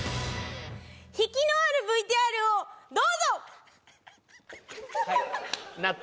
引きのあるＶＴＲをどうぞ！